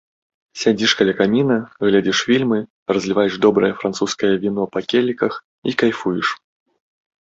Сядзіш каля каміна, глядзіш фільмы, разліваеш добрае французскае віно па келіхах і кайфуеш.